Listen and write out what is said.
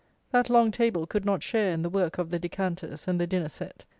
That long table could not share in the work of the decanters and the dinner set.